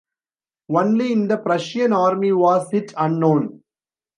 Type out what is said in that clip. Only in the Prussian Army was it unknown.